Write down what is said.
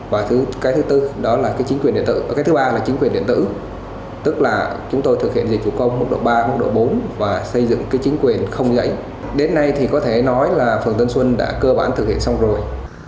và thứ ba là chính quyền điện tử tức là chúng tôi thực hiện dịch vụ công mức độ ba mức độ bốn và xây dựng chính quyền không dãy đến nay thì có thể nói là phường tân xuân đã cơ bản thực hiện xong rồi